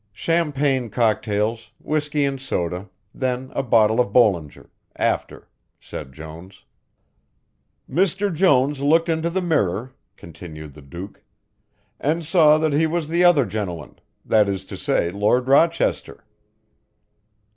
"Champagne cocktails, whisky and soda, then a bottle of Bollinger after," said Jones. "Mr. Jones looked into the mirror," continued the Duke, "and saw that he was the other gentleman, that is to say, Lord Rochester."